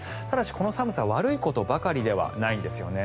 ただし、この寒さは悪いことばかりではないんです。